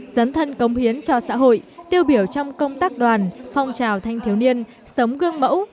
dấn thân công hiến cho xã hội tiêu biểu trong công tác đoàn phong trào thanh thiếu niên sống gương mẫu